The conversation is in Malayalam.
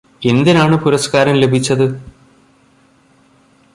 എന്തിനാണ് പുരസ്കാരം ലഭിച്ചത്?